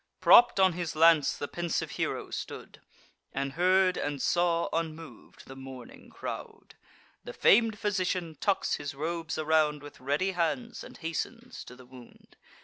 Propp'd on his lance the pensive hero stood, And heard and saw, unmov'd, the mourning crowd. The fam'd physician tucks his robes around With ready hands, and hastens to the wound.